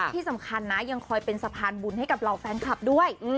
ที่สำคัญนะยังคอยเป็นสะพานบุญให้กับเหล่าแฟนคลับด้วย